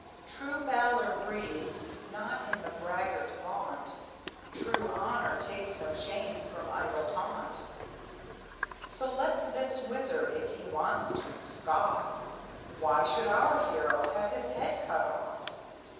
True valor breathes not in the braggart vaunt; True honor takes no shame from idle taunt; So let this wizard, if he wants to, scoff; Why should our hero have his head cut off?